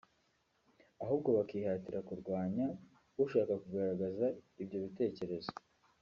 ahubwo bakihatira kurwanya ushaka kugaragaza ibyo bitekerezo